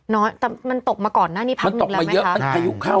น้อยแต่มันตกมาก่อนหน้านี้พักหนึ่งแล้วไหมครับมันตกมาเยอะมันอายุเข้า